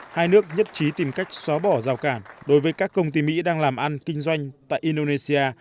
hai nước nhất trí tìm cách xóa bỏ rào cản đối với các công ty mỹ đang làm ăn kinh doanh tại indonesia